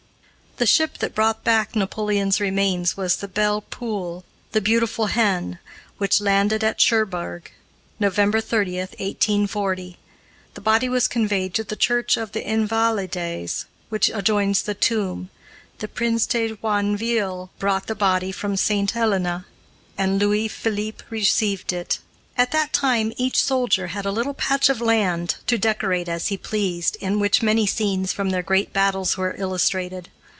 The ship that brought back Napoleon's remains was the Belle Poule (the beautiful hen!), which landed at Cherbourg, November 30, 1840. The body was conveyed to the Church of the Invalides, which adjoins the tomb. The Prince de Joinville brought the body from Saint Helena, and Louis Philippe received it. At that time each soldier had a little patch of land to decorate as he pleased, in which many scenes from their great battles were illustrated.